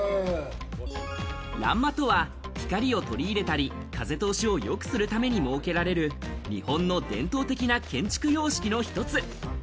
欄間とは光を取り入れたり、風通しをよくするために設けらてる日本の伝統的な建築様式の１つ。